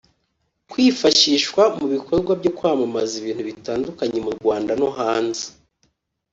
kwifashishwa mu bikorwa byo kwamamaza ibintu bitandukanye mu Rwanda no hanze